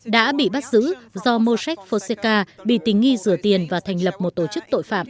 đã bị bắt giữ do mojek foseka bị tình nghi rửa tiền và thành lập một tổ chức tội phạm